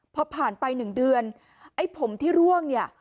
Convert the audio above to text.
พอผ่านไป๑เดือนไอ้ผมที่ร่วงเนี่ย